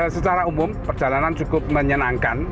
secara umum perjalanan cukup menyenangkan